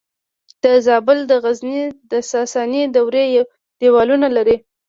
د زابل د غزنیې د ساساني دورې دیوالونه لري